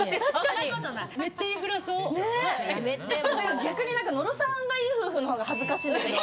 逆に野呂さんがいい夫婦のほうが恥ずかしいんだけど。